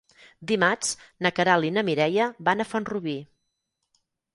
Dimarts na Queralt i na Mireia van a Font-rubí.